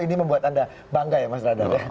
ini membuat anda bangga ya mas radha